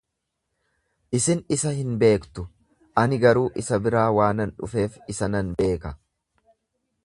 Isin isa hin beektu, ani garuu isa biraa waanan dhufeef isa nan beeka.